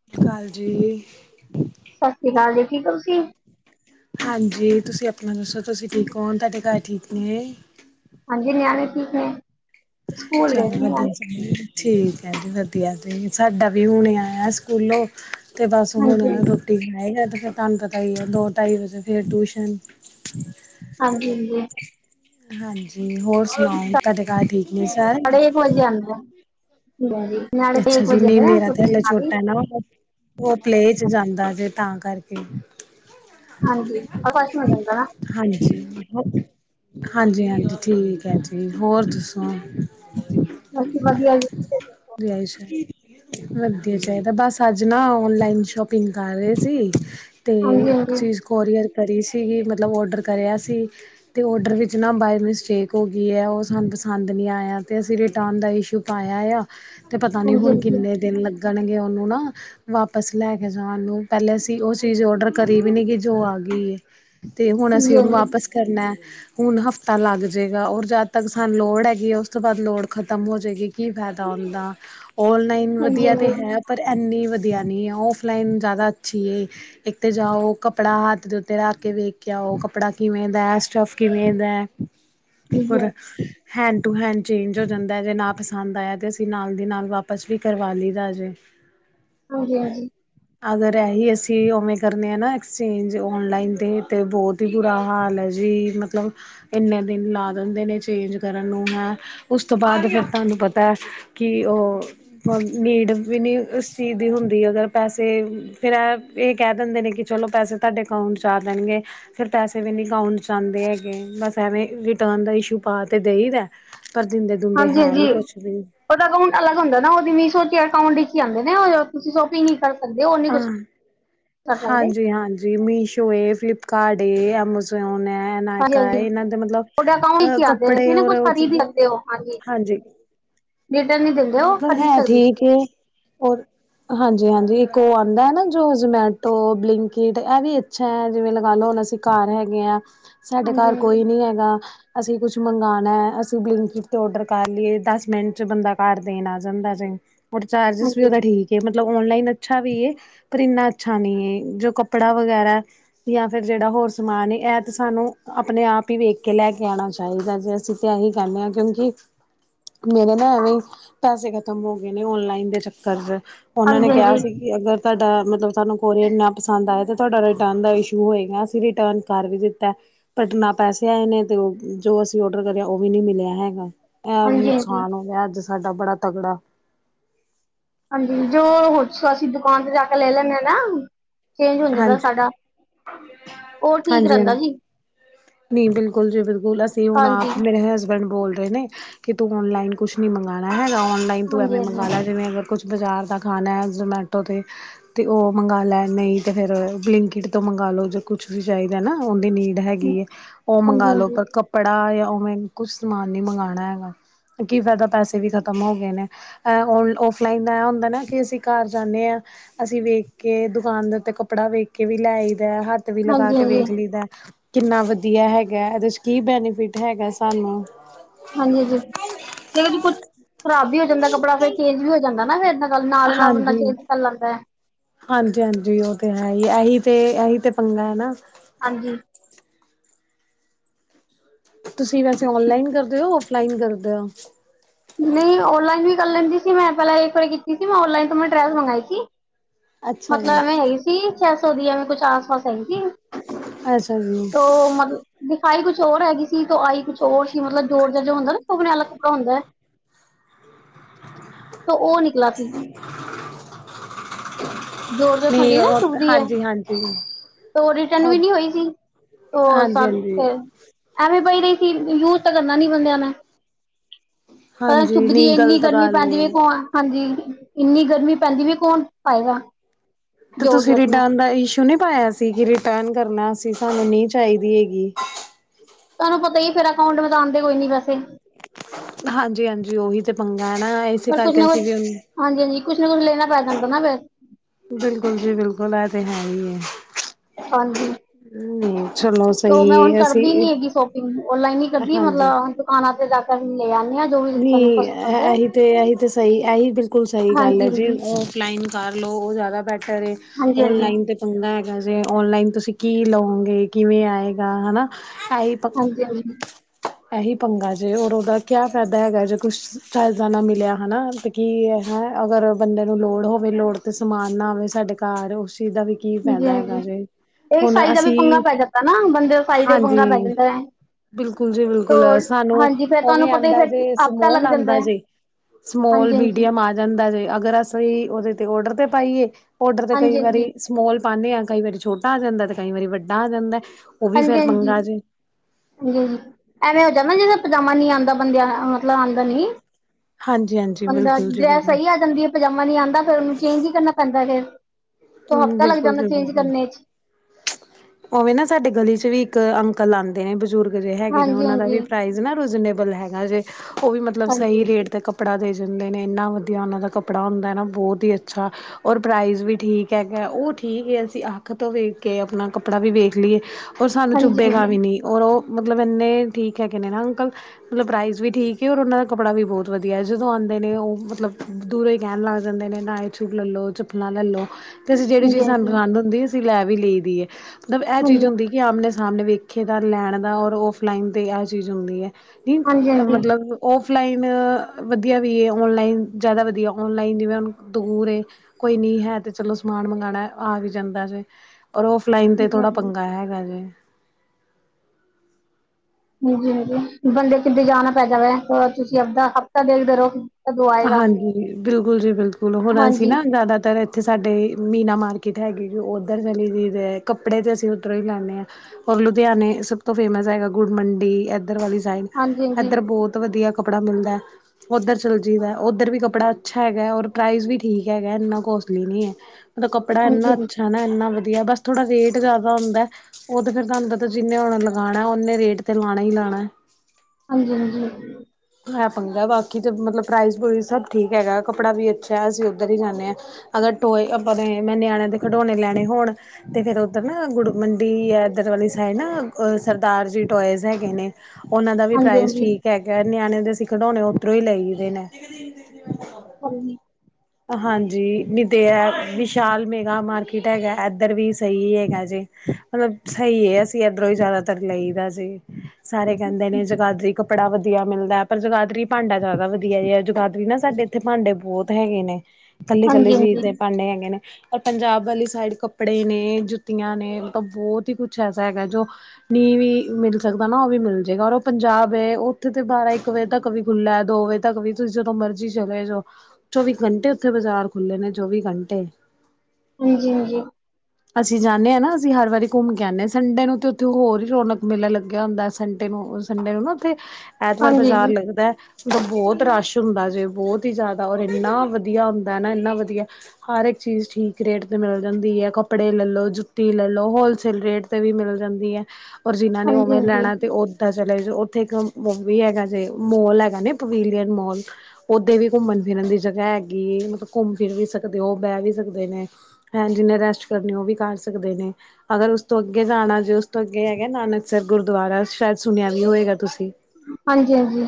ਸਤਿ ਸ੍ਰੀ ਅਕਾਲ ਜੀ ਸਤਿ ਸ਼੍ਰੀ ਅਕਾਲ ਜੀ ਠੀਕ ਓ‌ ਤੁਸੀਂ ਹਾਂਜੀ ਤੁਸੀਂ ਆਪਣਾ ਦੱਸੋ ਤੁਸੀਂ ਠੀਕ ਹੋ ਤੁਹਾਡੇ ਘਰ ਠੀਕ ਨੇ ਹਾਂਜੀ ਨਿਆਣੇ ਠੀਕ ਨੇ ਸਕੂਲ ਗਏ ਚਲੋ ਸੀ ਵਧੀਆ ਨਿਆਣੇ ਜੀ ਠੀਕ ਹੈ ਜੀ ਵਧੀਆ ਤੇ ਸਾਡਾ ਵੀ ਹੁਣੇ ਆਇਆ ਸਕੂਲੋਂ ਅਤੇ ਬਸ ਹੁਣ ਹਾਂਜੀ ਰੋ ਰੋਟੀ ਖਾਏਗਾ ਤੇ ਫੇਰ ਤੁਹਾਨੂੰ ਪਤਾ ਹੀ ਹੈ ਦੋ ਢਾਈ ਵਜੇ ਫੇਰ ਟਿਊਸ਼ਨ ਹਾਂਜੀ ਹਾਂਜੀ ਹਾਂਜੀ ਹੋਰ ਸੁਣਾਓ ਤੁਹਾਡੇ ਘਰ ਠੀਕ ਨੇ ਸਬ ਹੰ [inaudible] ਅੱਛਾ ਜੀ ਨਹੀਂ ਨੇ ਮੇਰਾ ਤਾਂ ਛੁੱਟੀ ਦੇ ਹਲੇ ਨਾਲ ਹੀ ਛੋਟਾ ਹੈ ਨਾ ਉਹੋ ਉਹ ਪਲੇਅ ਚ ਜਾਂਦਾਂ ਅਜੇ ਤਾਂ ਕਰਕੇ ਹਾਂਜੀ ਆਕਾਸ਼ ਨਾਲ ਜਾਂਦਾ ਨਾ ਹਾਂਜੀ ਉਹ ਹਾਂਜੀ ਹਾਂਜੀ ਠੀਕ ਹੈ ਜੀ ਹੋਰ ਤੁਸੀ ਦੱਸੋ ਬਾਕੀ ਵਧੀਆ ਜੀ। ਤੁਸੀਂ ਦੱਸੋ? ਜੈ ਸ਼ [unintelligible] ਵਧੀਆ ਚਾਹੀਦਾ, ਬਸ ਅੱਜ ਨਾ ਓਨਲਾਈਨ ਸ਼ੋਪਿੰਗ ਕਰ ਰਹੇ ਸੀ। ਅਤੇ ਹਾਂਜੀ ਹਾਂਜੀ ਇੱਕ ਚੀਜ਼ ਕੋਰੀਅਰ ਕਰੀ ਸੀਗੀ, ਮਤਲਬ ਔਡਰ ਕਰਿਆ ਸੀ। ਅਤੇ ਔਡਰ ਵਿੱਚ ਨਾ ਬਾਏ ਮਿਸਟੇਕ ਹੋ ਗਈ ਐ, ਉਹ ਸਾਨੂੰ ਪਸੰਦ ਨਹੀਂ ਆਇਆ ਅਤੇ ਅਸੀਂ ਰਿਟਰਨ ਦਾ ਇਸ਼ੂ ਪਾਇਆ ਆ, ਤੇ ਪਤਾ ਨੀ ਹਾਂਜੀ ਹੁਣ ਹਾਂਜੀ ਕਿੰਨੇ ਦਿਨ ਲੱਗਣਗੇ ਉਹਨੂੰ ਨਾ ਵਾਪਸ ਲੈ ਕੇ ਜਾਣ ਨੂੰ, ਪਹਿਲੇ ਅਸੀਂ ਉਹ ਚੀਜ਼ ਓਡਰ ਕਰੀ ਵੀ ਨੀ ਗ ਜੋ ਆ ਗਈ। ਤੇ ਹੁਣ ਅਸੀਂ ਉਹਨੂੰ ਹਾਂਜੀ ਹਾਂਜੀ ਵਾਪਿਸ ਕਰਨਾ ਐ। ਹੁਣ ਹਫ਼ਤਾ ਲੱਗ ਜਾਏਗਾ, ਔਰ ਜਦ ਤੱਕ ਸਾਨੂੰ ਲੋੜ ਹੈਗੀ, ਉਸ ਤੋਂ ਬਾਅਦ ਲੋੜ ਖ਼ਤਮ ਹੋ ਜਾਏਗੀ। ਕੀ ਫਾਇਦਾ ਹੁੰਦਾ ਔਨਲਾਈਨ ਹਾਂਜੀ ਹਾਂਜੀ ਵਧੀਆ ਤੇ ਹੈ ਹਾਂਜੀ ਪਰ ਇੰਨੀ ਵਧੀਆ ਨਹੀਂ, ਔਫਲਾਈਨ ਜ਼ਿਆਦਾ ਅੱਛੀ ਏ। ਇੱਕ ਤੇ ਜਾਓ, ਕੱਪੜਾ ਹੱਥ ਦੇ ਉੱਤੇ ਰੱਖ ਕੇ ਵੇਖ ਕੇ ਆਓ, ਕੱਪੜਾ ਕਿਵੇਂ ਦਾ ਸਟੱਫ ਕਿਵੇਂ ਦਾ ਹਾਂਜੀ ਹੋਰ ਹੈਂਡ ਟੂ ਹੈਂਡ ਚੇਂਜ ਹੋ ਜਾਂਦਾ, ਜੇ ਨਾ ਪਸੰਦ ਆਇਆ ਤੇ ਅਸੀਂ ਨਾਲ ਨਾਲ ਵਾਪਿਸ ਵੀ ਕਰਵਾ ਲਈ ਜੇ ਹਾਂਜੀ ਹਾਂਜੀ ਅਗਰ ਇਹੀ ਅਸੀਂ ਉਵੇਂ ਕਰਨੇ ਆ ਨਾ ਐਕਸਚੇਂਜ ਔਨਲਾਈਨ ' ਤੇ ਬਹੁਤ ਬੁਰਾ ਹਾਲ ਐ ਜੀ, ਮਤਲਬ ਇੰਨੇ ਦਿਨ ਲਾ ਦਿੰਦੇ ਚੇਂਜ ਕਰਨ ਨੂੰ ਹੈਂ, ਉਸ ਤੋਂ ਬਾਅਦ ਫਿਰ ਤੁਹਾਨੂੰ ਪਤਾ ਆ ਕਿ ਉਹ ਨੀਡ ਵੀ ਨਈ ਇਸ ਚੀਜ਼ ਦੀ ਹੁੰਦੀ, ਅਗਰ ਪੈਸੇ ਫਿਰ ਇਹ ਕਹਿ ਦਿੰਦੇ ਨੇ ਕਿ ਚਲੋ ਪੈਸੇ ਤੁਹਾਡੇ ਅਕਾਊਂਟ 'ਚ ਆ ਜਾਣਗੇ ਫਿਰ ਪੈਸੇ ਵੀ ਨੀ ਅਕਾਊਂਟ ਚ ਆਉਂਦੇ ਹੈਗੇ, ਬਸ ਐਵੇਂ ਰਿਟਰਨ ਦਾ ਇਸ਼ੂ ਨਾ ਤੇ ਦੇਈ ਦਾ ਪਰ ਦਿੰਦੇ- ਦੁੰਦੇ ਹਾਂਜੀ ਹੈ ਨੀ ਹਾਂਜੀ ਕੁਛ ਵੀ ਉਹਦਾ ਅਕਾਊਂਟ ਅਲੱਗ ਹੁੰਦਾ ਨਾ, ਉਹਦੀ ਵੀ ਮੀਸੂ ਅਕਾਊਂਟ ਦੀ ਆਉਂਦੇ ਤੁਸੀਂ ਸ਼ੋਪਿੰਗ ਈ ਕਰ ਸਕਦੇ, ਉਹ ਨ ਕੁਛ ਕਰ ਸਕਦੇ। ਜੀ ਮੀਸ਼ੋ ਏ, ਫਲਿਪਕਾਰਡ ਏ, ਐਮਾਜੋਨ ਏ। ਹਾਂਜੀ ਨਾਇਕਾ ਐ, ਹਾਂਜੀ ਇਹਨਾਂ ਦੇ ਮਤਲਬ ਤੁਹਾਡੇ ਅਕਾਊਂਟ ਵਿੱਚ ਅ ਹੀ ਆਂਦੇ ਨੇ ਕੱਪੜੇ ਤੁਸੀਂ ਨਾ ਔਰ ਕੁਛ ਉਹ ਖਰੀਦ ਹੀ ਚੀਜ਼ਾਂ ਹਾਂਜੀ [inaudible] ਡਿਟ [unintelligible] ਹੈ ਠੀਕ ਏ ਹੋਰ ਹਾਂਜੀ ਹਾਂਜੀ ਇੱਕ ਉ ਆਂਦਾ ਐ ਨਾ ਜੋ ਜ਼ਮੈਟੋ, ਬਲਿੰਕਟ ਇਹ ਵੀ ਪਛੇ ਜਿਵੇਂ ਲਗਾ ਲੋ ਹੁਣ ਅਸੀਂ ਘਰ ਹੈਗੇ ਆ, ਸਾਡੇ ਹਾਂਜੀ ਘਰ ਕੋਈ ਨੀ ਹੈਗਾ। ਅਸੀਂ ਕੁਛ ਮੰਗਉਣਾ, ਅਸੀਂ ਬਲਿੰਕਟ ਤੇ ਔਡਰ ਕਰ ਲਈਏ ਦਸ ਮਿੰਟ ਚ ਬੰਦਾ ਘਰ ਦੇਣ ਆ ਜਾਂਦਾ ਜੇ ਔਰ ਚਾਰਜਿਸ ਵੀ ਹਾਂਜੀ ਉਹਦਾ ਠੀਕ ਮਤਲਬ ਔਨਲਾਈਨ ਅੱਛਾ ਵੀ ਐ, ਪਰ ਇੰਨਾ ਅੱਛਾ ਨਹੀਂ ਐ ਜੋ ਕੱਪੜਾ ਵਗੈਰਾ ਜਾਂ ਫਿਰ ਜਿਹੜਾ ਹੋਰ ਸਮਾਨ ਇਹ ਤਾਂ ਸਾਨੂੰ ਆਪਣੇ ਆਪ ਈ ਵੇਖ ਕੇ ਲੈ ਕੇ ਆਉਣਾ ਚਾਹੀਦਾ, ਜੇ ਅਸੀਂ ਤਾਂ ਇਹੀ ਕਹਿੰਦੇ ਆ ਕਿਉਂਕਿ ਮੇਰਾ ਨਾ ਐਵੇਂ ਪੈਸੇ ਖ਼ਤਮ ਹੋ ਗਏ ਨੇ ਓਨਲਾਈਨ ਦੇ ਚੱਕਰ ਚ ਉਹਨਾਂ ਨੇ ਹਾਂਜੀ ਕਿਹਾ ਹਾਂਜੀ ਸੀ ਕਿ ਅਗਰ ਤੁਹਾਡਾ ਮਤਲਬ ਸਾਨੂੰ ਕੋਰੀਅਰ ਨਾ ਪਸੰਦ ਆਇਆ ਅਤੇ ਤੁਹਾਡਾ ਰਿਟਰਨ ਦਾ ਇਸ਼ੂ ਹੋਏਗਾ, ਅਸੀਂ ਰਿਟਰਨ ਕਰ ਵੀ ਦਿੱਤਾ। ਬਟ ਨਾ ਪੈਸੇ ਆਏ ਨੇ ਤੇ ਉਹ ਜੋ ਅਸੀਂ ਔਡਰ ਕਰਿਆ ਉਹ ਵੀ ਨਹੀਂ ਮਿਲਿਆ ਹੈਗਾ। ਇਹ ਹਾਂਜੀ ਹਾਂਜੀ ਨੁਕਸਾਨ ਹੋਇਆ, ਅੱਜ ਸਾਡਾ ਬੜਾ ਤਗੜਾ। ਹਾਂਜੀ, ਜੋ ਅਸੀਂ ਦੁਕਾਨ ਤੇ ਜਾ ਕੇ ਲੈ ਲੈਂਦੇ ਆ ਨਾ ਹੋ ਚੇਂਜ ਜਾਂਦਾ ਹਾਂਜੀ ਸਾਡਾ, ਉਹ ਠੀਕ ਹਾਂਜੀ ਰਹਿੰਦਾ ਹਾਂਜੀ ਜੀ। ਨਹੀਂ ਬਿਲਕੁਲ ਜੀ, ਬਿਲਕੁਲ ਅਸੀਂ ਹੁਣ ਹਾਂਜੀ ਆਪ ਮੇਰੇ ਹਸਬੈਂਡ ਬੋਲ ਰਹੇ ਨੇ ਕਿ ਤੂੰ ਔਨਲਾਈਨ ਕੁਛ ਨੀ ਮੰਗਾਣਾ ਹੈਗਾ, ਔਨਲਾਈਨ ਤੂੰ ਹਾਂਜੀ ਐਵੇਂ ਹਾਂਜੀ ਮੰਗਾ ਹਾਂਜੀ ਲਿਆ ਅਗਰ ਕੁਛ ਬਾਜ਼ਾਰ ਦਾ ਖਾਣਾ ਹੈ ਜ਼ਮੈਟੋ 'ਤੇ, ਅਤੇ ਉਹ ਮੰਗਾ ਲੈ ਨਹੀਂ। ਤੇ ਫੇਰ ਬਲਿੰਕਿਟ ਤੋਂ ਮੰਗਵਾਲੋ ਜੋ ਕੁਛ ਵੀ ਚਾਹੀਦਾ ਨਾ ਉਹਦੀ ਨੀ- ਡ ਹੈਗੀ ਏ ਉਹ ਹਾਂਜੀ ਮੰਗਾ ਲੋ ਹਾਂਜੀ ਪਰ ਕੱਪੜਾ ਜਾਂ ਉਵੇਂ ਕੁਛ ਸਮਾਨ ਨੀ ਮੰਗਵਾਣਾ ਹੈਗਾ। ਕੀ ਫੈਦਾ ਪੈਸੇ ਵੀ ਖ਼ਤਮ ਹੋ ਗਏ ਨੇ। ਅਹ ਔ ਔਫਲਾਈਨ ਦਾ ਆ ਹੁੰਦਾ ਨਾ ਕਿ ਅਸੀਂ ਘਰ ਜਾਂਦੇ ਹਾਂ, ਅਸੀਂ ਵੇਖ ਕੇ ਦੁਕਾਨ ਤੇ ਕੱਪੜਾ ਵੇਖ ਕੇ ਵੀ ਲੈ ਈਦਾ ਹੱਥ ਵੀ ਲਗਾ ਹਾਂਜੀ ਕੇ ਹਾਂਜੀ ਵੇਖ ਲਈਦਾ। ਕਿੰਨਾ ਵਧੀਆ ਹੈਗਾ ਇਹਦੇ ਚ ਕੀ ਬੈਨੀਫਿਟ ਹੈਗਾ ਸਾਨੂੰ। ਹਾਂਜੀ ਜੀ ਚਲੋ ਜੀ ਕੁਛ, ਖ਼ਰਾਬ ਵੀ ਹੋ ਜਾਂਦਾ ਕੱਪੜਾ ਫੇਰ ਚੇਂਜ ਵੀ ਹੋ ਜਾਂਦਾ ਨਾ ਫੇਰ ਨਾਲ- ਨਾਲ ਬੰਦਾ ਹਾਂਜੀ ਚੇਂਜ ਕਰ ਲੈਂਦਾ ਐ। ਹਾਂਜੀ- ਹਾਂਜੀ ਉਹ ਤੇ ਹੈ ਹੀ ਇਹੀ ਤੇ- ਇਹੀ ਤੇ ਪੰਗਾ ਹੈ ਨਾ। ਹਾਂਜੀ। ਤੁਸੀਂ ਵੈਸੇ ਔਨਲਾਈਨ ਕਰਦੇ ਹੋ ਯਾ ਔਫਲਾਈਨ ਕਰਦੇ ਹੋ? ਨਹੀਂ ਔਨਲਾਈਨ ਵੀ ਕਰ ਲੈਂਦੀ ਸੀ ਮੈਂ ਪਹਿਲਾਂ ਇੱਕ ਵਾਰੀ ਕੀਤੀ ਸੀ ਮੈਂ ਔਨਲਾਈਨ ਤੋਂ ਮੈਂ ਡਰੈਸ ਮੰਗਾਈ ਸੀ। ਅੱਛਾ ਜੀ ਮਤਲਬ ਐਵੇਂ ਹੈਗੀ ਸੀ ਛੇ ਸੌ ਦੀ ਐਵੇਂ ਕੁਛ ਆਸ- ਪਾਸ ਆਈ ਸੀ। ਅੱਛਾ ਜੀ ਓਹ ਮਤ ਦਿਖਾਈ ਕੁਛ ਹੋਰ ਹੈਗੀ ਸੀ ਤੇ ਆਈ- ਕੁਛ ਹੋਰ ਸੀ ਮਤਲਬ ਜੋੋਰ ਜ ਜ ਜੋ ਹੁੰਦਾ ਨਾ ਚੁਭਨੇ ਵਾਲਾ ਕੱਪੜਾ ਹੁੰਦਾ ਏ। ਤੇ ਉਹ ਨਿਕਲਾ ਸੀ। [inaudible] ਜੋਰਜਟ ਨਹੀਂ ਹੁੰਦੀ ਹੈ ਉਹ ਚੁਬਦੀ ਐ, ਹਾਂਜੀ ਹਾਂਜੀ ਤੋ ਰਿਟਰਨ ਉਹ ਵੀ ਨਹੀਂ ਹੋਈ ਸੀ। ਹੋਰ ਹਾਂਜੀ ਸਭ ਹਾਂਜੀ ਫੇਰ? ਐਵੇਂ ਪਈ ਰਹੀ ਸੀ ਯੂਜ ਤਾਂ ਕਰਨਾ ਨੀ ਪੈਦਾ ਹੋਣਾ ਏ। ਪਰ ਹਾਂਜੀ ਚੂਬਦੀ ਨਹੀਂ ਏ ਇੰਨੀ ਗ਼ਲਤ ਗਰਮੀ ਗੱਲ ਏ। ਪੈਂਦੀ ਐ, [unintelligible] ਹਾਂਜੀ, ਇੰਨੀ ਗਰਮੀ ਪੈਂਦੀ ਵੀ, ਕੌਣ ਪਾਏਗਾ? ਤੇ ਤੁਸੀਂ ਜੋਰਜਟ ਨੂੰ ਰਿਟਰਨ ਦਾ ਈਸ਼- ਕਿਉਂ ਨਹੀਂ ਪਾਇਆ ਸੀ ਕਿ ਰਿਟਰਨ ਕਰਨਾ ਅਸੀ ਸਾਨੂੰ ਨਹੀਂ ਚਾਹੀਦੀ ਹੈਗੀ। ਤੁਹਾਨੂੰ ਪਤਾ ਹੀ ਕੇੜਾ ਅਕਾਊਂਟ ਵਿਚ ਆਂਦੇ ਕੋਈ ਨੀ ਪੈਸੇ। ਹਾਂਜੀ- ਹਾਂਜੀ ਉਹੀ ਤੇ ਪੰਗਾ ਹੈ ਨਾ ਇਸੇ ਪਰ ਕੁਛ ਕਰਕੇ ਨਾ ਅਸੀਂ ਕੁਛ ਵੀ ਹੁਨ- ਹਾਂਜੀ- ਹਾਂਜੀ ਕੁਛ ਨਾ ਕੁਝ ਲੈਣਾ ਪੈ ਜਾਂਦਾ ਨਾ ਫੇਰ। ਬਿਲਕੁਲ ਜੀ ਬਿਲਕੁਲ ਇਹ ਤੇ ਹੈ ਹੀ ਹੈ, ਹੂੰ। ਤੇ ਮੈਂ ਹੁਣ ਕਰਦੀ ਨੀ ਹੈਗੀ ਸ਼ੋਪਿੰਗ ਔਨਲਾਈਨ ਹੀ ਕਰਦੀ ਹਾਂਜੀ। ਮਤਲਬ ਦੁਕਾਨਾਂ ਤੇ ਜਾ ਕੇ ਲੈਂ ਆਂਨੀ ਹਾਂ ਜੋ ਵੀ- ਸਾਨੂੰ ਨਹੀਂ ਪਸੰਦ ਹੈ ਇਹੀ ਤੇ- ਇਹੀ ਤੇ ਸਹੀ ਇਹੀ ਬਿਲਕੁਲ ਸਹੀ ਗੱਲ ਹੈ ਹਾਂਜੀ ਜੀ ਹਾਂਜੀ ਔ- ਫਲਾਈਨ ਕਰ ਲਉ ਉਹ ਜਾਦਾ ਬੈਟਰ ਏ। ਹਾਂਜੀ ਜੀ ਨਲਾਈਨ ਤੇ ਪੰਗਾ ਹੈਗਾ ਜੇ ਓਨਲਾਈਨ ਤੁਸੀਂ ਕੀ ਲਵੋਗੇ ਕਿਵੇਂ ਆਏਗਾ, ਹਨਾ। ਪ ਹਾਂਜੀ ਹਾਂਜੀ ਇਹੀ ਪੰਗਾ ਜੇ ਔਰ ਉਹਦਾ ਕਿਆ- ਫਾਇਦਾ ਹੈਗਾ ਜੇ ਕੁਛ ਚਜ ਦਾ ਨਾ ਮਿਲਿਆ ਹੈਨਾ, ਤਾਂ ਕੀ ਹੈ ਅਗਰ ਬੰਦੇ ਨੂੰ ਲੋੜ ਹੋਵੇ, ਲੋੜ ਤੇ ਸਮਾਨ ਨਾ ਆਵੇ ਸਾਡੇ ਘਰ ਉਸ ਚੀਜ਼ ਦਾ ਵੀ- ਕੀ ਹਾਂਜੀ ਫਾਇਦਾ ਹੈਗਾ ਹਾਂਜੀ ਜੇ, ਇਹ ਹੁਣ ਸਾਈ ਦਾ ਵੀ ਪੰਗਾ ਅਸੀਂ, ਪੈ ਜਾਂਦਾ ਨਾ ਬੰਦੇ ਦਾ ਸਾਈ ਦਾ ਵੀ ਪੰਗਾ ਪੈ ਹਾਂਜੀ। ਜਾਂਦਾ ਹੈ ਬਿਲਕੁਲ ਜੀ ਤੋ ਬਿਲਕੁਲ ਸਾਨੂੰ ਹਾਂਜੀ ਫਿਰ ਉਹ ਤੁਹਾਨੂੰ ਵੀ ਪਤਾ ਹੀ ਆਉਂਦਾ ਫਿਰ ਜੇ, ਹਫ਼ਤਾ ਸਮੋਲ ਲੱਗ ਜਾਂਦਾ ਆਂਦਾ ਹੈ ਜੇ ਸਮੋਲ, ਹਾਂਜੀ ਹਾਂਜੀ ਮੀਡੀਅਮ ਆ ਜਾਂਦਾ ਵੇ, ਅਗਰ ਅਸੀਂ ਉਹਦੇ ਤੇ ਓਡਰ ਤੇ ਪਾਈਏ ਔਡਰ ਤੇ ਕਈ ਹਾਂਜੀ ਹਾਂਜੀ ਵਾਰੀ ਸਮੋਲ ਪਾਂਦੇ ਆ ਕਈ ਵਾਰੀ ਛੋਟਾ ਆ ਜਾਂਦਾ, ਤੇ ਕਈ ਵਾਰੀ ਵੱਡਾ ਆ ਜਾਂਦਾ, ਉਹ ਵੀ ਫੇਰ ਪੰਗਾ ਜੇ। ਜੀ-ਜੀ ਐਵੇਂ ਹੋ ਜਾ ਨਾ ਜਿਵੇਂ ਪਜਾਮਾ ਨੀ ਆਉਂਦਾ ਬੰਦਿਆਂ ਦ ਮਤਲਬ ਆਂਦਾ ਨੀ। ਹਾਂਜੀ ਹਾਂਜੀ ਬੰਦਾ ਬਿਲਕੁਲ ਜੀ ਡਰੈਸ ਬਿਲਕੁਲ ਸਹੀ ਆ ਜਾਂਦੀ ਹੈ, ਪਜਾਮਾ ਨੀ ਆਂਦਾ ਫੇਰ ਉਹਨੂੰ ਚੇਂਜ ਈ ਕਰਨਾ ਪੈਂਦਾ ਫੇਰ। ਤੋ ਹੂੰ, ਹਫ਼ਤਾ ਲੱਗ ਬਿਲਕੁਲ ਜਾਂਦਾ ਚੇਂਜ ਕਰਨੇ ਚ। ਉਵੇ ਨਾ ਸਾਡੇ ਗਲੀ ਚ ਵੀ ਇੱਕ ਅੰਕਲ ਆਂਦੇ ਨੇ, ਬਜ਼ੁਰਗ ਜੇ ਹੈਗੇ ਨੇ ਹਾਂਜੀ ਉਹਨਾਂ ਦਾ ਹਾਂਜੀ ਵੀ ਹਾਂਜੀ ਪ੍ਰਾਈਜ਼ ਨ ਰੀਜਨੇਬਲ ਹੈਗਾ ਜੇ ਉਹ ਵੀ ਮਤਲਬ ਹਾਂਜੀ ਸਹੀ ਰੇਟ ਤੇ ਕਪ ਕੱਪੜਾ ਦੇ ਜਾਂਦੇ ਨੇ ਇੰਨਾ ਵਧੀਆ ਉਹਨਾਂ ਦਾ ਕੱਪੜਾ ਹੁੰਦਾ ਹੈ। ਨਾ ਬਹੁਤ ਹੀ ਅੱਛਾ ਔਰ ਪ੍ਰਾਈਜ਼ ਵੀ ਠੀਕ ਹੈਗਾ, ਉਹ ਠੀਕ ਹੈ ਅਸੀਂ ਅੱਖ ਤੋਂ ਵੇਖ ਕੇ ਆਪਣਾ ਕੱਪੜਾ ਵੀ ਵੇਖ ਲਈਏ ਔਰ ਸਾਨੂੰ ਹਾਂਜੀ ਚੁੱਭੇਗਾ ਹਾਂਜੀ ਹਾਂਜੀ ਵੀ ਨਹੀਂ, ਔਰ ਉਹ ਮਤਲਬ ਇੰਨੇ ਠੀਕ ਹੈ ਕਿ ਨੇ ਨਾ ਅੰਕਲ। ਮਤਲਬ ਪ੍ਰਾਈਜ਼ ਵੀ ਠੀਕ ਹੈ, ਔਰ ਉਹਨਾਂ ਦਾ ਕੱਪੜਾ ਵੀ ਬਹੁਤ ਵਧੀਆ ਹੈ, ਜਦੋਂ ਆਂਦੇ ਨੇ ਉਹ ਮਤਲਬ ਦੂਰੋਂ ਕਹਿਣ ਲੱਗ ਜਾਂਦੇ ਨੇ, ਨਾਈਟ ਸੂਟ ਲੈ ਲੋ ਚੱਪਲਾਂ ਲੈ ਲੋ। ਤੇ ਅਸੀਂ ਜਿਹੜੀ ਚੀਜ਼ ਸਾਨੂੰ ਹਾਂਜੀ ਪਸੰਦ ਹੁੰਦੀ ਏ, ਅਸੀਂ ਲੈ ਵੀ ਲਈ ਦੀਏ। ਮਤਲਬ ਐਹ ਚੀਜ਼ ਹੁੰਦੀ, ਕਿ ਆਮਣੇ ਸਾਹਮਣੇ ਵੇਖੇ ਦਾ ਲੈਣ ਦਾ ਔਰ ਔਫਲਾਈਨ 'ਤੇ ਐਹ ਚੀਜ਼ ਹੁੰਦੀ ਹੈ। ਦੀ ਨੀ ਹਾਂਜੀ ਹਾਂਜੀ ਮਤਲਬ ਔਫਲਾਈਨ ਵਧੀਆ ਵੀ ਏ, ਔਨਲਾਈਨ ਜ਼ਿਆਦਾ ਵਧੀਆ ਔਨਲਾਈਨ ਜਿਵੇਂ ਉਹਨੂੰ ਦੂਰ ਏ ਕੋਈ ਨੀ ਹੈ ਤੇ ਚਲੋ ਸਮਾਨ ਮੰਗਵਾਉਣਾ ਆ ਵੀ ਜਾਂਦਾ ਜੇ ਔਰ ਔਫ ਲਾਈਨ 'ਤੇ ਥੋੜ੍ਹਾ ਪੰੰਗਾ ਹੈਗਾ ਜੇ। ਹਾਂਜੀ-ਹਾਂਜੀ ਬੰਦੇ ਕਿੱਤੇ ਜਾਣਾ ਪੈ ਜਾਵੇ, ਹੋਰ ਤੁਸੀਂ ਆਪਦਾ ਹਫ਼ਤਾ ਦੇਖਦੇ ਰਹੋ। ਕਦੋਂ ਆਏਗਾ ਹਾਂਜੀ, ਬਿਲਕੁਲ ਜੀ ਬਿਲਕੁਲ ਹੁਣ ਐਸੀ ਹਾਂਜੀ ਨਾ ਜ਼ਿਆਦਾਤਰ ਏ ਇੱਥੇ ਸਾਡੇ ਮੀਨਾ ਮਾਰਕੀਟ ਹੈਗੀ ਜੀ ਉੱਧਰ ਚਲੀ ਗਈਦੇ ਹੈ, ਕੱਪੜੇ ਤੇ ਅਸੀਂ ਉੱਧਰੋਂ ਹੀ ਲੈਂਨੇ ਆ। ਔਰ ਲੁਧਿਆਣੇ ਸਭ ਤੋਂ ਫੇਮਸ ਹੈਗਾ ਗੁੜ ਮੰਡੀ ਐਦ ਐਧਰ ਵਾਲੀ ਸਾਈਡ ਹਾਂਜੀ ਹਾਂਜੀ ਐਧਰ ਬਹੁਤ ਵਧੀਆ ਕੱਪੜਾ ਮਿਲਦਾ ਹੈ, ਓਧਰ ਚੱਲ ਜ ਉੱਧਰ ਵੀ ਕੱਪੜਾ ਅੱਛਾ ਹੈਗਾ ਏ, ਔਰ ਪ੍ਰਾਈਜ਼ ਵੀ ਠੀਕ ਹੈਗਾ ਐਨਾ ਕੋਸਟਲੀ ਨਹੀਂ ਹੈ। ਮਤਲਬ ਕੱਪੜਾ ਐਨਾ ਹਾਂਜੀ ਹਾਂਜੀ ਅੱਛਾ ਨਾ ਐਨਾ ਵਧੀਆ ਬਸ ਥੋੜਾ ਰੇਟ ਜਾਦਾ ਹੁੰਦਾ ਹੈ ਉਹ ਤੇ ਫੇਰ ਤੁਹਾਨੂੰ ਪਤਾ ਜਿੰਨੇ ਹੁਣ ਲਗਾਉਣਾ ਓਨੇ ਰੇਟ ਤੇ ਲਾਣਾ ਈ ਲਾਣਾ। ਹਾਂਜੀ-ਹਾਂਜੀ। ਹੈ ਪੰਗਾ ਬਾਕੀ ਤਾਂ ਮਤਲਬ ਪ੍ਰਾਈਜ਼ ਪ੍ਰੂਇਜ਼ ਸਭ ਠੀਕ ਹੈਗਾ, ਕੱਪੜਾ ਵੀ ਅੱਛਾ ਹੈ, ਅਸੀਂ ਉੱਧਰ ਹੀ ਜਾਂਨੇ ਆ। ਅਗਰ ਟੋਏ ਅਪੇ ਤੇ ਮੈਂ ਨਿਆਣਣੇਿਆਂ ਦੇ ਖਿਡੌਣੇ ਲੈਣੇ ਹੋਣ ਅਤੇ ਫਿਰ ਉੱਧਰ ਨਾ ਗੁੜ ਮੰਡੀ ਐ, ਇੱਧਰ ਵਾਲੀ ਸਾਈਡ ਨਾ ਸਰਦਾਰ ਜੀ ਟੋਇਜ਼ ਹੈਗੇ ਨੇ। ਉਹਨਾਂ ਦਾ ਵੀ ਹਾਂਜੀ ਪ੍ਰਾਈਜ਼ ਹਾਂਜੀ ਠੀਕ ਹੈਗਾ ਨਿਆਣੇ ਦੇ ਅਸੀ ਖਿਡੌਣੇ ਓਧਰੋਂ ਹੀ ਲਈਦੇ ਨੇ। [inaudible] ਹਾਂਜੀ ਹਾਂਜੀ ਨਿ ਤੇ ਐ ਵਿਸ਼ਾਲ ਮੇਗਾ ਮਾਰਕੀਟ ਹੈਗਾ ਇਏਧਰ ਵੀ ਸਹੀ ਹੈਗਾ ਜੇ। ਮਤਲਬ ਸਹੀ ਹੈ ਅਸੀਂ ਇੱਧਰੋਂ ਹੀ ਜ਼ਿਆਦਾਤਰ ਲਈ ਦਾ ਐਸੀ ਸਾਰੇ ਕਹਿੰਦੇ ਨੇ ਜਗਾਦਰੀ ਕੱਪੜਾ ਵਧੀਆ ਮਿਲਦਾ ਹੈ, ਪਰ ਜਗਾਦਰੀ ਭਾਂਡਾ ਜ਼ਿਆਦਾ ਵਧੀਆ ਜ ਹੈ ਜੁਗਾਦਰੀ ਨਾ ਸਾਡੇ ਇੱਥੇ ਭਾਂਡੇ ਬਹੁਤ ਹੈਗੇ ਨੇ ਕੱਲੀ-ਕੱਲੀ ਹਾਂਜੀ ਹਾਂਜੀ ਜੀ ਹਾਂਜੀ ਦੇ ਭਾਂਡੇ ਹੈਗੇ ਨੇ ਆ ਪੰਜਾਬ ਵਾਲੀ ਸਾਈਡ ਕੱਪੜੇ ਨੇ, ਜੁੱਤੀਆਂ ਨੇ, ਉਹ ਤਾਂ ਬਹੁਤ ਹੀ ਕੁਛ ਐਸਾ ਹੈਗਾ ਜੋ ਨੀ ਵੀ ਮਿਲ ਸਕਦਾ ਨਾ ਉਹ ਵੀ ਮਿਲ ਜਾਏਗਾ, ਔਰ ਉਹ ਪੰਜਾਬ ਹੈ ਉੱਥੇ ਤੇ ਬਾਰਾਂ, ਇੱਕ ਵਜੇ ਤੱਕ ਵੀ ਖੁੱਲ੍ਹਾ ਹੈ ਦੋ ਵਜੇ ਤੱਕ ਵੀ ਤੁਸੀਂ ਜਦੋਂ ਮਰਜ਼ੀ ਚਲੇ ਜੋ ਚੋਵੀ ਘੰਟੇ ਉੱਥੇ ਬਾਜ਼ਾਰ ਖੁੱਲ੍ਹੇ ਨੇ ਚੌਵੀ ਘੰਟੇ। ਹਾਂਜੀ-ਹਾਂਜੀ [inaudible] ਅਸੀਂ ਜਾਨੇ ਆ ਨਾ, ਅਸੀਂ ਹਰ ਵਾਰੀ ਘੁੰਮ ਕੇ ਆਨੇ ਆ ਸੰਡੇ ਨੂੰ ਤੇ ਉੱਥੇ ਹੋਰ ਹੀ ਰੌਣਕ ਮੇਲਾ ਲੱਗਿਆ ਹੁੰਦਾ ਸੰਡੇ ਨੂੰ ਉਸ ਸੰਡੇ ਨੂੰ ਨਾ ਉੱਥੇ ਐਤਵਾਰ ਹਾਂਜੀ ਹਾਂਜੀ ਬਾਜ਼ਾਰ ਹਾਂਜੀ ਲੱਗਦਾ ਉਦੋਂ ਬਹੁਤ ਰਸ਼ ਹੁੰਦਾ ਜੇ ਬਹੁਤ ਈ ਜ਼ਿਆਦਾ, ਔਰ ਇੰਨਾ ਵਧੀਆ ਹੁੰਦਾ ਐ ਨਾ ਐਨਾ ਵਧੀਆ ਹਰ ਇੱਕ ਚੀਜ਼ ਠੀਕ ਰੇਟ 'ਤੇ ਮਿਲ ਜਾਂਦੀ ਹੈ ਕੱਪੜੇ ਲੈ ਲਓ ਜੁੱਤੀ ਲੈ ਲਓ ਹੋਲਸੇਲ ਰੇਟ ਤੇ ਵੀ ਮਿਲ ਜਾਂਦੀ ਹੈ ਔਰ ਜਿਨਾਂ ਨੇ ਹਾਂਜੀ ਓਵਰ ਲੈਣਾ ਤੇ ਉਹ ਤਾਂ ਚਲੋ ਦੋ ਉੱਥੇ ਇੱਕ ਵੀ ਹੈਗਾ ਜੇ ਮੋਲ ਹੈਗਾ ਨੇ ਪਵੀਲੀਅਨ ਮੋਲ ਓਦੇ ਵੀ ਘੁੰਮਨ ਫਿਰਨ ਦੀ ਜਗਾ ਹੈਗੀ ਏ ਮਤਲਬ ਘੁੰਮ ਫਿਰ ਵੀ ਸਕਦੇ ਓ ਬੈ ਵੀ ਸਕਦੇ ਨੇ। ਹੈਂ ਜਿੰਨੇ ਰੈਸਟ ਕਰਨੀ ਓ ਵੀ ਕਰ ਸਕਦੇ ਨੇ। ਅਗਰ ਉਸ ਤੋਂ ਅੱਗੇ ਜਾਨਾ ਜੇ ਉਸ ਤੋਂ ਅੱਗੇ ਹੈਗਾ ਨਾਨਕਸਰ ਗੁਰਦੁਆਰਾ ਸ਼ੈਦ ਸੁਨੇਆ ਵੀ ਹੋਏਗਾ ਤੁਸੀਂ। ਹਾਂਜੀ-ਹਾਂਜੀ।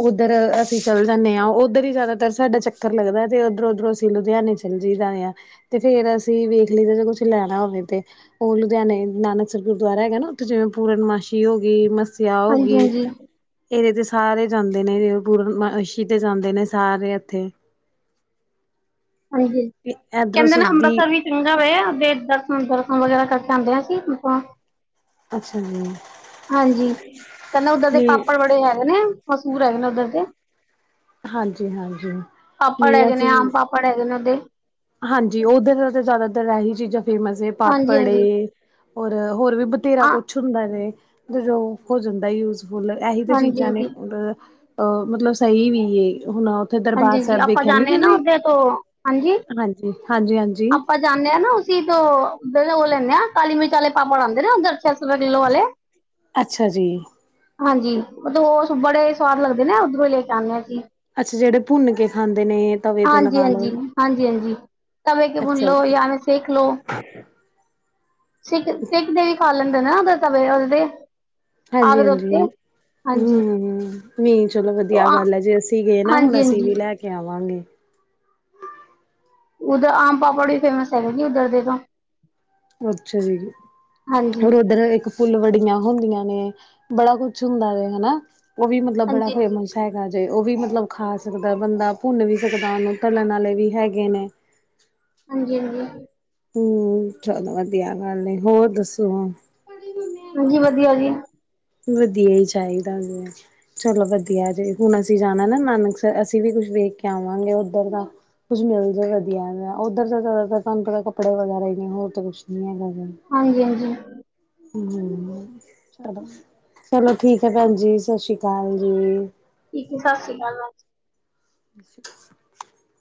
ਓਦਰ ਅਸੀਂ ਚਲ ਜਾਂਨੇ ਆਂ ਓਦਰ ਈ ਜਾਦਾਤਰ ਸਾਡਾ ਚੱਕ ਚੱਕਰ ਲੱਗਦਾ ਤੇ ਓਦਰੋਂ-ਓਦਰੋਂ ਅਸੀਂ ਲੁਧਿਆਣੇ ਚੱਲ ਜਾਈ ਦਾ ਆ। ਤੇ ਫੇਰ ਅਸੀਂ ਵੇਖ ਲਈਦਾ ਜੇ ਕੁਛ ਲੈਨਾ ਹੋਵੇ ਤੇ। ਓ ਲੁਧਿਆਣੇ ਨਾਨਕਸਰ ਗੁਰਦੁਆਰਾ ਹੈਗਾ ਨਾ ਓਥੇ ਜਿਵੇਂ ਪੂਰਨਮਾਸ਼ੀ ਹੋਗੀ ਮਸ ਮੱਸੇਆ ਹੋਗੀ। ਹਾਂਜੀ ਇਦੇ ਤੇ ਸਾਰੇ ਜਾਂਦੇ ਨੇ ਪੂਰਨਮਾਸ਼ੀ ਤੇ ਜਾਂਦੇ ਨੇ ਸਾਰੇ ਐਥੇ। ਹਾਂਜੀ, ਇਧਰੋਂ ਕੈਂਦੇ ਨਾ ਸੁਦੀ ਅੰਬਰਸਰ ਵੀ ਚੰਗਾ ਵੇ ਅਸੀਂ ਦਰਸ਼ਨ ਦੁਰਸ਼ਨ ਵਗੈਰਾ ਕਰਕੇ ਆਂਦੇ ਆਂ ਅਸੀਂ ਮਸਾਂ ਅੱਛਾ ਜੀ। ਹਾਂਜੀ, ਕੈਂਦੇ ਓਦਰ ਦੇ ਨਹੀਂ ਪਾਪੜ ਬੜੇ ਹੈਗੇ ਨੇ ਮਸੂਰ ਹੈਗੇ ਨੇ ਓਦਰ ਦੇ। ਹਾਂਜੀ-ਹਾਂਜੀ, ਨਈ ਅਸੀਂ ਹੁਨ ਹੈਗੇ ਨੇ ਓਦੇ। ਹਾਂਜੀ ਓਦਰ ਦਾ ਤਾਂ ਜਾਦਾਤਰ ਆਹੀ ਚੀਜ਼ਾਂ ਫੇਮਸ ਏ ਹਾਂਜੀ ਪਾਪੜ ਹਾਂਜੀ ਏ ਔਰ ਹੋਰ ਵੀ ਬਥੇਰਾ ਹਾਂ ਕੁਛ ਹੁੰਦਾ ਵੇ, ਵੀ ਹੋ ਜਾਂਦਾ ਯੂਜਫੁਲ ਐਹੀ ਤਾਂ ਹਾਂਜੀ ਚੀਜ਼ਾਂ ਨੇ ਹਾਂਜੀ ਓਦਰ। ਅਹ ਮਤਲਬ ਸਈ ਵੀ ਏ ਹੁਨ ਓਥੇ ਦਰਬਾਰ ਸਾਬ ਵੇਖੇਆ ਨੀ ਤੁਸੀਂ। ਓ ਹਾਂਜੀ ਹਾਂਜੀ-ਹਾਂਜੀ-ਹਾਂਜੀ। ਆਪਾਂ ਜ ਜਾਂਨੇ ਆਂ ਨਾ ਅਸੀਂ ਤੋਂ ਓਦਰ ਓ ਲੈਂਨੇ ਆ ਕਾਲੀ ਮਿਰਚ ਵਾਲੇ ਪਾਪੜ ਆਂਦੇ ਨੇ ਓਦਰ ਛੇ ਸੌ ਰੁਪਏ ਕਿੱਲੋ ਵਾਲੇ। ਅੱਛਾ ਜੀ। ਹਾਂਜੀ ਮਤਲਬ ਓ ਬੜੇ ਸਵਾਦ ਲੱਗਦੇ ਨੇ ਓਦਰੋਂ ਈ ਲੈ ਕੇ ਆਂਦੇ ਆਂ ਅਸੀਂ। ਅੱਛਾ ਜੇੜੇ ਭੁੰਨ ਕੇ ਖਾਂਦੇ ਨੇ ਤਵੇ ਤੇ ਹਾਂਜੀ ਲਗਾ ਲੋ। ਹਾਂਜੀ ਹਾਂਜੀ ਹਾਂਜੀ ਤਵੇ ਤੇ ਬੁਨ ਲੋ ਜਾ ਫੇਰ ਸੇਕ ਲੋ। ਸੇਕ-ਸੇਕ ਕੇ ਵੀ ਖਾ ਲੈਂਦੇ ਨੇ ਤਵੇ ਤੇ ਓਦੇ ਤੇ। ਆਗ ਦੇ ਉੱਤੇ ਹਾਂਜੀ-ਹਾਂਜੀ, ਹਾਂਜੀ ਹੂੰ-ਹੂੰ ਨੀ ਚਲੋ ਵਦੀਆ ਗੱਲ ਐ ਜੇ ਅਸੀਂ ਸੀਗੇ ਨਾ ਹੁਨ ਹਾਂਜੀ ਅਸੀਂ ਹਾਂਜੀ ਵੀ ਲੈ ਕੇ ਆਵਾਂਗੇ। ਉੱਦਰ ਆਮ ਪਾਪੜ ਵੀ ਫੇਮਸ ਹੈਗਾ ਨੇ ਉੱਦਰ ਦੇ ਤਾਂ। ਓ ਅੱਛਾ ਜੀ, ਹਾਂਜੀ ਹੋਰ ਓਦਰ ਇੱਕ ਫੁਲਵੜੀਆਂ ਹੁੰਦੀਆਂ ਨੇ ਬੜਾ ਕੁਛ ਹੁੰਦਾ ਏ ਹਨਾ, ਓ ਵੀ ਮਤਲਬ ਬੜਾ ਹਾਂਜੀ ਹਾਂਜੀ ਫੇਮਸ ਹੈਗਾ ਜੇ ਓ ਵੀ ਮਤਲਬ ਖਾ ਸਕਦਾ ਬੰਦਾ ਭੁੰਨ ਵੀ ਸਕਦਾ ਓਨੂੰ ਤਲਨ ਆਲੇ ਵੀ ਹੈਗੇ ਨੇ। ਹਾਂਜੀ ਵਦੀਆ। ਹੂੰ, ਚਲੋ ਵਧੀਆ ਗੱਲ ਏ, ਹੋਰ ਦੱਸੋ ਹੁਨ ਹਾਂਜੀ ਵਦੀਆ ਜੀ। ਵਦੀਆ ਈ ਚਾਈਦਾ ਗੇਐ। ਚਲੋ ਵਦੀਆ ਜੀ ਹੁਨ ਅਸੀਂ ਜਾਨਾ ਨਾ ਨਾਨਕਸਰ ਹੁਨ ਅਸੀਂ ਵੀ ਕੁਝ ਦੇਖ ਕੇ ਆਵਾਂਗੇ ਓਦਰ ਦਾ। ਕੁਛ ਮਿਲ ਜੇ ਵਦੀਆ ਜਾ ਓਦਰ ਤਾਂ ਜਾਦਾਤਰ ਤੁਆਨੂੰ ਪਤਾ ਕੱਪੜੇ ਵਗੈਰਾ ਈ ਨੇ ਹੋਰ ਤਾਂ ਕੁਛ ਨੀ ਹੈਗਾ। ਹਾਂਜੀ-ਹਾਂਜੀ। ਹੂੰ ਚਲੋ ਠੀਕ ਐ ਭੈਨ ਜੀ ਸਸਰੀ ਕਾਲ ਜੀ। ਠੀਕ ਐ ਸਾਸਰੀ ਕਾਲ ਮੈਮ। [inaudible]